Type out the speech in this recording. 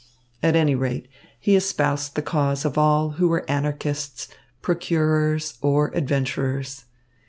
At any rate, he espoused the cause of all who were Anarchists, procurers, or adventurers.